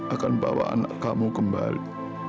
akan bawa anak kamu kembali